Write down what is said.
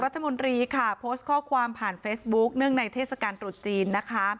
รัฐมนตรีค่ะโพสต์ข้อความผ่านเฟซบุ๊กเนื่องในเทศกาลตรุษจีนนะคะ